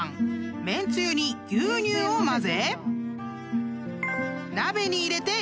［麺つゆに牛乳を混ぜ］